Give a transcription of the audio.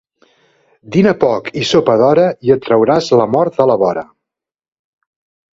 Dina poc i sopa d'hora i et trauràs la mort de la vora.